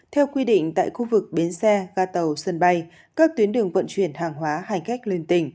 theo quy định tại khu vực bến xe ga tàu sân bay các tuyến đường vận chuyển hàng hóa hành khách liên tỉnh